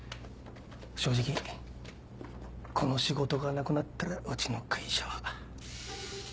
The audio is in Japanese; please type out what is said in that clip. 正直この仕事がなくなったらうちの会社は。